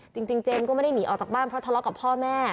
จริงเจมส์ก็ไม่ได้หนีออกจากบ้านเพราะทะเลาะกับพ่อแม่